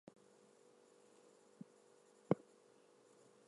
The process of preparation, storage and serving is considered almost a ritual.